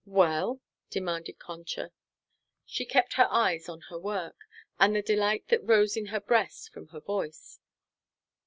"Well?" demanded Concha. She kept her eyes on her work (and the delight that rose in her breast from her voice).